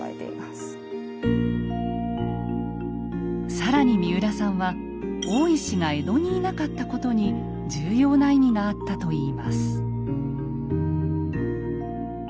更に三浦さんは大石が江戸にいなかったことに重要な意味があったといいます。